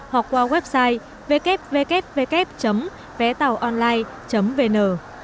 hoặc qua website www vétaoonline vn